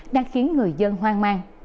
đang khiến người dân hoang mang